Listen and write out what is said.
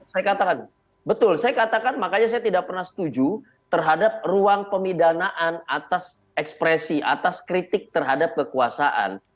saya katakan betul saya katakan makanya saya tidak pernah setuju terhadap ruang pemidanaan atas ekspresi atas kritik terhadap kekuasaan